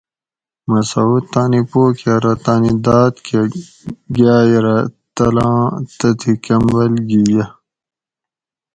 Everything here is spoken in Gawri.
"مسعود تانی پو کہ ارو ""تانی داد کہ گاۓ رہ تلاں تتھیں کمبل گی یہ"""